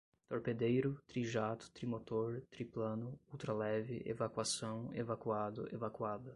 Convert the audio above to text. Torpedeiro, trijato, trimotor, triplano, ultraleve, evacuação, evacuado, evacuada